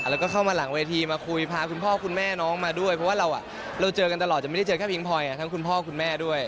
แล้วก็เข้ามาหลังเวทีมาคุยพาคุณพ่อคุณแม่น้องมาด้วยเพราะว่าเราเจอกันตลอดจะไม่ได้เจอแค่พิงพลอยทั้งคุณพ่อคุณแม่ด้วย